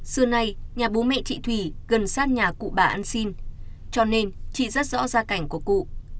xưa nay nhà bố mẹ chị thủy gần sát nhà cụ bà ăn xin cho nên chị rất rõ gia cảnh của cụ